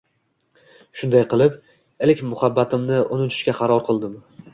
Shunday qilib, ilk muhabbatimni unutishga qaror qildim.